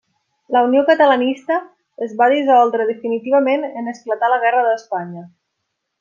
La Unió Catalanista es va dissoldre definitivament en esclatar la guerra d'Espanya.